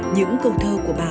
những câu thơ của bà